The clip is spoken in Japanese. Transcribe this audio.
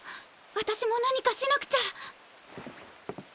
私も何かしなくちゃ。